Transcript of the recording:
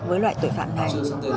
với loại tội phạm này